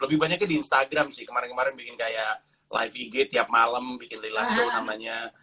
lebih banyaknya di instagram sih kemarin kemarin bikin kayak live ig tiap malam bikin layla show namanya